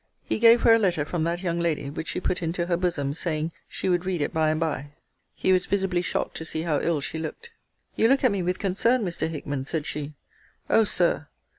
He gave her a letter from that young lady, which she put into her bosom, saying, she would read it by and by. He was visibly shocked to see how ill she looked. You look at me with concern, Mr. Hickman, said she O Sir!